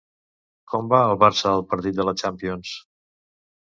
Com va el Barça al partit de la Champions?